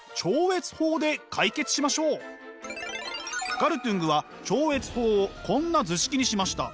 ガルトゥングは超越法をこんな図式にしました。